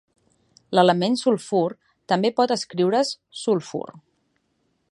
L'element "sulfur" també pot escriure's "sulphur".